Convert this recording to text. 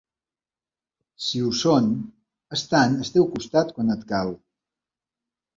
Si ho són, estan al teu costat quan et cal.